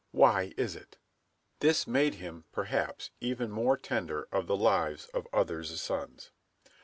why is it?" This made him, perhaps, even more tender of the lives of others' sons.